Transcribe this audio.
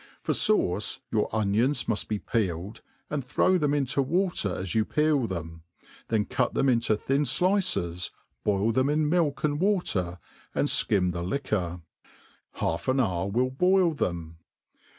For fauce, your onions muft be peeled, and throw them into water as you peel them f then cut them into thin ilices, boil them in milk and water, and flcihi the liquor. Half an hour will boil them.